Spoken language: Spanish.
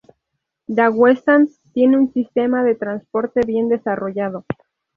Daguestán tiene un sistema de transporte bien desarrollado.